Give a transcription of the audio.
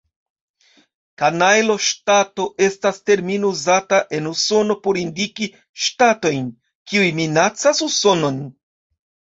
Kanajlo-ŝtato estas termino uzata en Usono por indiki ŝtatojn, kiuj minacas Usonon.